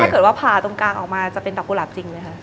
ถ้าเกิดว่าผ่าตรงกลางออกมาจะเป็นดอกกุหลาบจริงไหมคะ